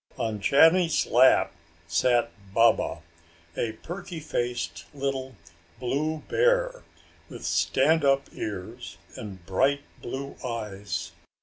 On Johnny's lap sat Baba, a perky faced little blue bear with stand up ears and bright blue eyes.